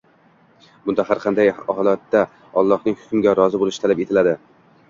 Banda har qanday holatda Allohning hukmiga rozi bo‘lishi talab etiladi.